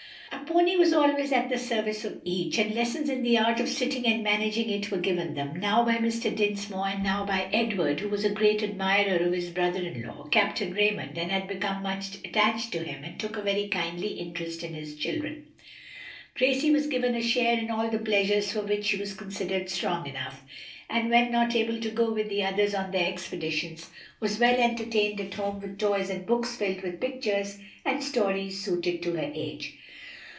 A pony was always at the service of each, and lessons in the art of sitting and managing it were given them, now by Mr. Dinsmore and now by Edward, who was a great admirer of his brother in law, Captain Raymond, had become much attached to him, and took a very kindly interest in his children. Gracie was given a share in all the pleasures for which she was considered strong enough, and when not able to go with the others on their expeditions, was well entertained at home with toys and books filled with pictures and stories suited to her age.